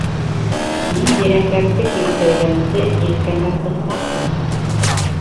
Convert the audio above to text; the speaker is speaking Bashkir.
— Мин бирәсәкте килтергәнсе елкәңә сыҡмаҫмы?